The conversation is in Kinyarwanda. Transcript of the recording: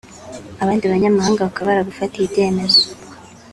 abandi banyamahanga bakaba baragufatiye ibyemezo